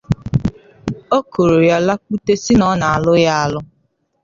o koro ya lakpute sị na ọ na-alụ ya alụ